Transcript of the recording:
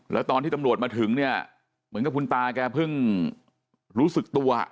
แล้วตอนที่ตำรวจมาถึงเนี่ยเหมือนกับคุณตาแกเพิ่งรู้สึกตัว